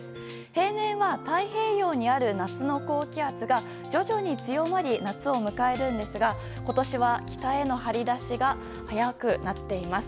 平年は太平洋にある夏の高気圧が徐々に北に強まり夏を迎えるんですが今年は北へ張り出しが早くなっています。